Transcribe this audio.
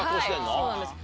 はいそうなんです。